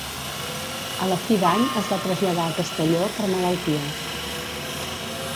A la fi d'any es va traslladar a Castelló, per malaltia.